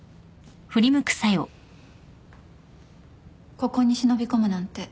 ここに忍び込むなんて